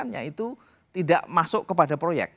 tiga puluh enam nya itu tidak masuk kepada proyek